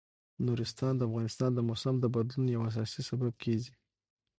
نورستان د افغانستان د موسم د بدلون یو اساسي سبب کېږي.